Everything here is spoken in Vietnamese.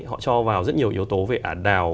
họ cho vào rất nhiều yếu tố về ả đào